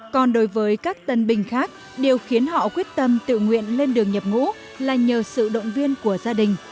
còn đối với các tân bình khác điều khiến họ quyết tâm tự nguyện lên đường nhập ngũ là nhờ sự động viên của gia đình